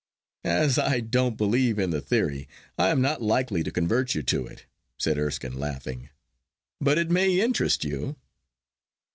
'As I don't believe in the theory, I am not likely to convert you to it,' said Erskine, laughing; 'but it may interest you.